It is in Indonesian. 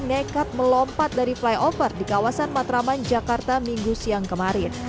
nekat melompat dari flyover di kawasan matraman jakarta minggu siang kemarin